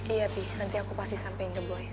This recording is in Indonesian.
iya pi nanti aku pasti sampaikan ke boy